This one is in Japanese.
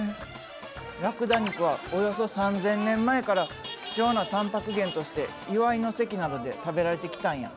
ラクダ肉はおよそ３，０００年前から貴重なタンパク源として祝いの席などで食べられてきたんや。